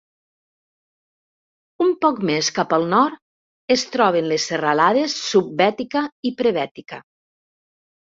Un poc més cap al nord es troben les serralades Subbètica i Prebètica.